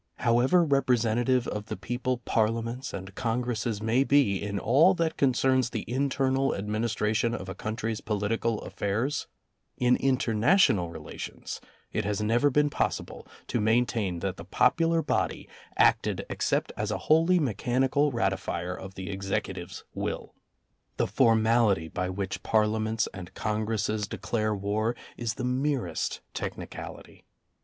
However representative of the people Parlia ments and Congresses may be in all that concerns the internal administration of a country's political affairs, in international relations it has never been possible to maintain that the popular body acted except as a wholly mechanical ratifier of the Executive's will. The formality by which Par liaments and Congresses declare war is the merest technicality.